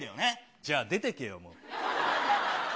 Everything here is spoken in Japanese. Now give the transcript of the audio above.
じゃあ、出てけよ。